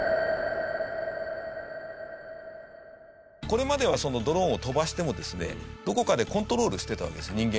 これまではドローンを飛ばしてもですねどこかでコントロールしてたわけです人間が。